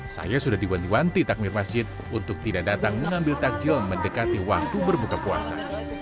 saya sudah diwanti wanti takmir masjid untuk tidak datang mengambil takjil mendekati waktu berbuka puasa